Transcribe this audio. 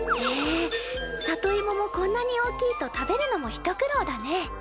へえ里芋もこんなに大きいと食べるのも一苦労だね。